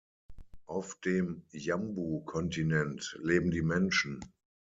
Auf dem Jambu-Kontinent leben die Menschen.